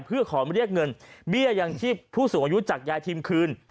เพื่อขอเรียกเงินเบี้ยยังชีพผู้สูงอายุจากยายทิมคืน